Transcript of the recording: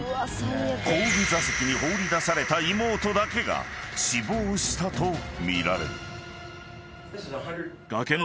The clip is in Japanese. ［後部座席に放り出された妹だけが死亡したとみられる］